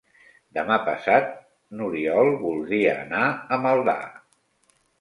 Demà passat n'Oriol voldria anar a Maldà.